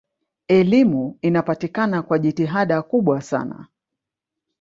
elimu inapatikana kwa jitihada kubwa sana